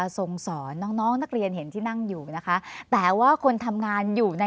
ทรงสอนน้องน้องนักเรียนเห็นที่นั่งอยู่นะคะแต่ว่าคนทำงานอยู่ใน